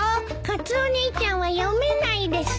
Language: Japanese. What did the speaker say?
カツオ兄ちゃんは読めないです。